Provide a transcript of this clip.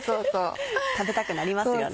食べたくなりますよね。